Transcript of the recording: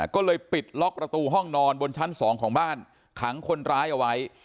ก็เลยปิดล็อกประตูห้องนอนบนชั้น๒ของบ้านขังคนร้ายเอาไว้